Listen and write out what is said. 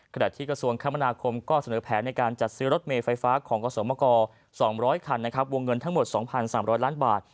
กระทรวงคมนาคมก็เสนอแผนในการจัดซื้อรถเมย์ไฟฟ้าของกสมกร๒๐๐คันนะครับวงเงินทั้งหมด๒๓๐๐ล้านบาท